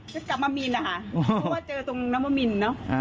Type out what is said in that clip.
จะกลับมามินนะคะเพราะว่าเจอตรงน้ำวมินเนอะ